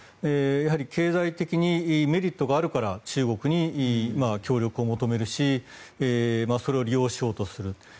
やはり経済的にメリットがあるから中国に協力を求めるしそれを利用しようとする。